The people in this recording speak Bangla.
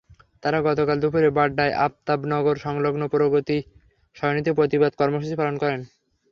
তাঁরা গতকাল দুপুরে বাড্ডায় আফতাবনগর-সংলগ্ন প্রগতি সরণিতে প্রতিবাদ কর্মসূচি পালন করেন।